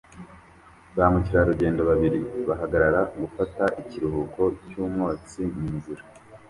Ba mukerarugendo babiri bahagarara gufata ikiruhuko cy'umwotsi munzira